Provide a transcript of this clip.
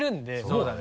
そうだね。